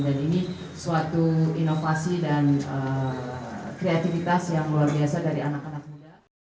ini suatu inovasi dan kreativitas yang luar biasa dari anak anak muda